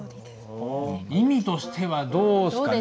意味としてはどうっすかね？